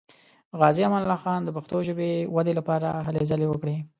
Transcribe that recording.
غازي امان الله خان د پښتو ژبې ودې لپاره هلې ځلې وکړې.